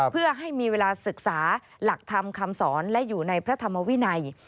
เพื่อให้มีเวลาศึกษาหลักธรรมคำสอนและอยู่ในพระธรรมวินัย